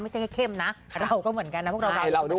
ไม่ใช่แค่เข้มนะเราก็เหมือนกันนะพวกเราด้วย